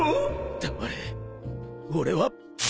黙れ俺は。